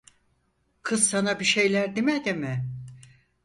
Kız sana bir şeyler dimedi mi?